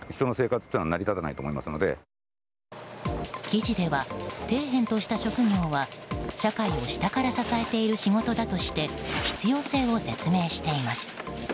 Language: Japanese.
記事では底辺とした職業は社会を下から支えている仕事だとして必要性を説明しています。